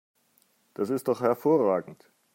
Das ist doch hervorragend!